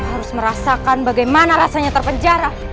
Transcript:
harus merasakan bagaimana rasanya terpenjara